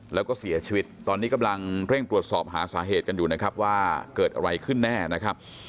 แล้วก็เสียชีวิตตอนนี้กำลังเร่งตรวจสอบหาสาเหตุกันอยู่นะครับว่าเกิดอะไรขึ้นแน่นะครับ